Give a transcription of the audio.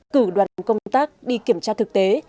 cử đoàn công tác đi kiểm tra thực tế